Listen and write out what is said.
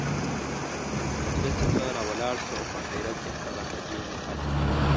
له مجلس څخه را ولاړ شو او په حيرت يې هغه حاجي مخاطب کړ.